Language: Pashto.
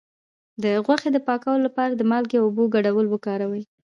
د غوښې د پاکوالي لپاره د مالګې او اوبو ګډول وکاروئ